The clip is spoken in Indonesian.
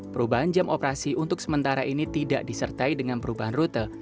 perubahan jam operasi untuk sementara ini tidak disertai dengan perubahan rute